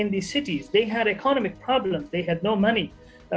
mereka memiliki masalah ekonomi mereka tidak memiliki uang